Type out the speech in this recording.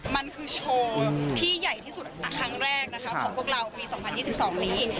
มันคือโชวิตที่ใหญ่ที่สุดแรกของพวกเราปี๒๐๑๒นี้